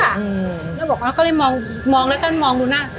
หัวบอกว่ะก็เลยมองต้นมองดูนะ